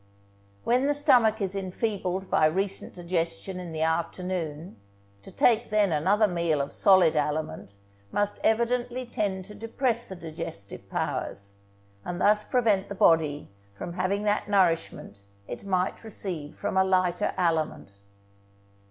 When the stomach is enfeebled by recent digestion in the afternoon, to take then another meal of solid aliment must evidently tend to depress the digestive powers, and thus prevent the body from having that nourishment it might receive from a lighter aliment.